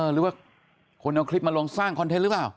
หรือว่าคนเอาคลิปมาลงสร้างคอนเทนต์หรือเปล่า